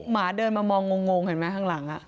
หมาเดินมามองงงเห็นไหมข้างหลัง